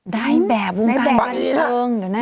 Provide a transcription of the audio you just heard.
นายแบบวงการบันเทิงเดี๋ยวนะฮะฟังอีกนิดนึงนะฮะ